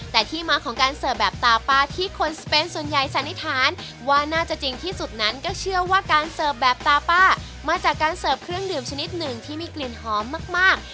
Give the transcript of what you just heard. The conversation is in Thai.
แต่ที่มาของการเสิร์ฟแบบตาป้าที่คนสเปนส่วนใหญ่สันนิษฐานว่าน่าจะจริงที่สุดนั้นก็เชื่อว่าการเสิร์ฟแบบตาป้ามาจากการเสิร์ฟเครื่องดื่มชนิดหนึ่งที่มีกลิ่นหอมมาก